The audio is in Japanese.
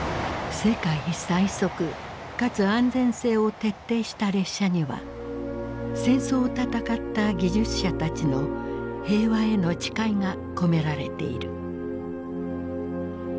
世界最速かつ安全性を徹底した列車には戦争を戦った技術者たちの平和への誓いが込められている。